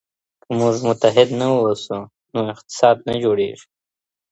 که موږ متحد نه واوسو نو اقتصاد نه جوړيږي.